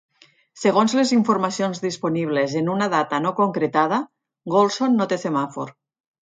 Segons les informacions disponibles en una data no concretada, Gholson no té semàfor.